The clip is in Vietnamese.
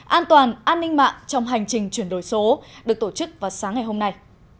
an toàn an ninh mạng trong hành trình chuyển đổi số được tổ chức vào sáng ngày hôm nay